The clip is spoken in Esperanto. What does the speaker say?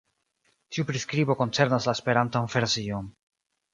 Tiu priskribo koncernas la Esperantan version.